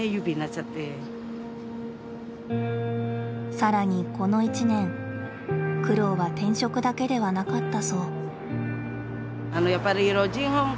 更にこの一年苦労は転職だけではなかったそう。